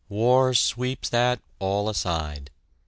War sweeps that all aside.